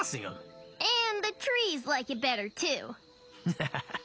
ハハハハッ。